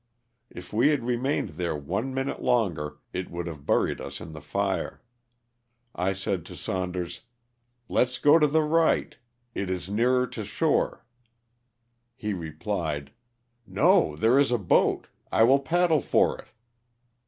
If we had remained there one minute longer it would have buried us in the fire. I said to Saunders, "let's go to the right, it is nearer LOSS OF THE SULTANA. 41 to shore.' ^ He replied, ^'no, there is a boat; I will paddle for it.'